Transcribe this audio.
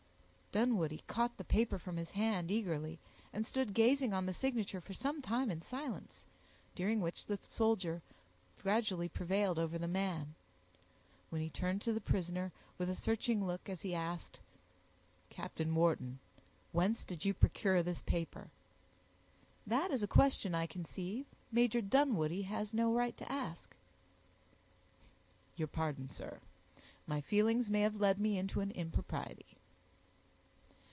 Dunwoodie caught the paper from his hand, eagerly, and stood gazing on the signature for some time in silence, during which the soldier gradually prevailed over the man; when he turned to the prisoner, with a searching look, as he asked,— "Captain Wharton, whence did you procure this paper?" "This is a question, I conceive, Major Dunwoodie has no right to ask." "Your pardon, sir; my feelings may have led me into an impropriety."